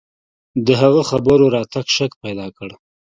د هغه خبرو راته شک پيدا کړ.